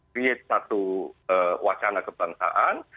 create satu wacana kebangsaan